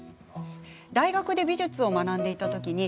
大学で美術を学んでいたとき